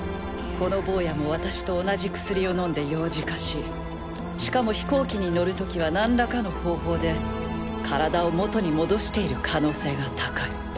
このボウヤも私と同じ薬を飲んで幼児化ししかも飛行機に乗る時は何らかの方法で体を元に戻している可能性が高い。